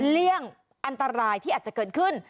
เลี่ยงอันตรายที่อาจจะเกิดขึ้น